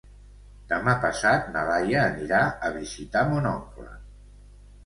Demà passat na Laia anirà a visitar mon oncle.